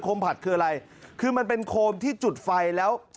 ผัดคืออะไรคือมันเป็นโคมที่จุดไฟแล้ว